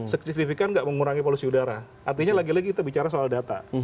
signifikan nggak mengurangi polusi udara artinya lagi lagi kita bicara soal data